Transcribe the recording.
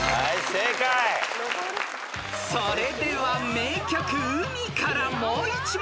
［それでは名曲『うみ』からもう１問］